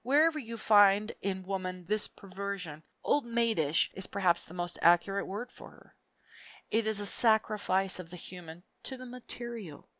Wherever you find in woman this perversion old maidish is perhaps the most accurate word for her it is a sacrifice of the human to the material.